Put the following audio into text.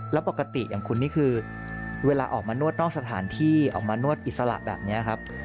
แล้วปกติอย่างคุณนี่คือเวลาออกมานวดนอกสถานที่ออกมานวดอิสระแบบนี้ครับ